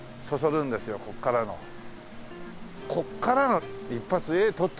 ここからの一発画撮っ